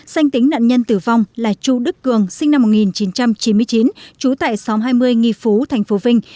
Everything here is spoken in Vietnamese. sanh tính nạn nhân tử vong là chu đức cường sinh năm một nghìn chín trăm chín mươi chín trú tại xóm hai mươi nghi phú thành phố vinh